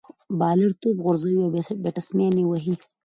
بالر توپ غورځوي، او بيټسمېن ئې وهي.